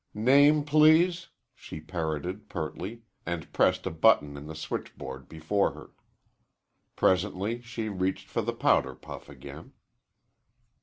"Name, please?" she parroted pertly, and pressed a button in the switchboard before her. Presently she reached for the powder puff again.